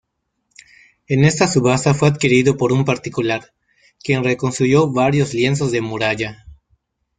En esta subasta fue adquirido por un particular, quien reconstruyó varios lienzos de muralla.